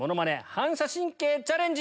反射神経チャレンジ。